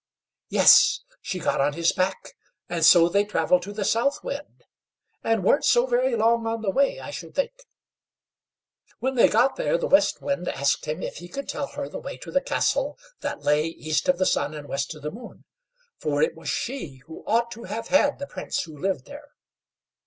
Yes! she got on his back, and so they travelled to the South Wind, and weren't so very long on the way, I should think. When they got there, the West Wind asked him if he could tell her the way to the castle that lay East of the Sun and West of the Moon, for it was she who ought to have had the Prince who lived there.